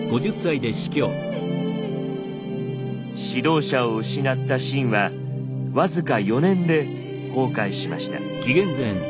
指導者を失った秦は僅か４年で崩壊しました。